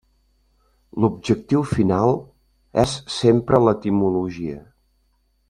L'objectiu final és sempre l'etimologia.